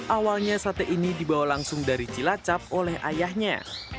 awalnya sate ini dibawa langsung dari cilacap oleh ayahnya